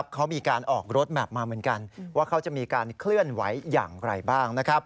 เขามีการออกรถแมพมาเหมือนกันว่าเขาจะมีการเคลื่อนไหวอย่างไรบ้าง